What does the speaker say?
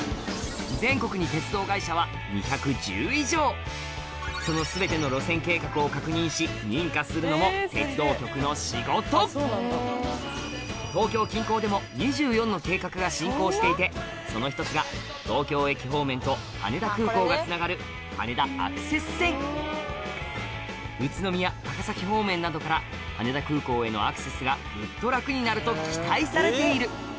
全国にその全ての路線計画を確認し認可するのも鉄道局の仕事東京近郊でも２４の計画が進行していてその一つが東京駅方面と羽田空港がつながる宇都宮高崎方面などから羽田空港へのアクセスがグッと楽になると期待されている